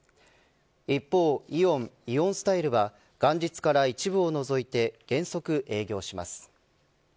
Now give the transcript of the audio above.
一方イオン・イオンスタイルは元日から一部を除いて原則営業します。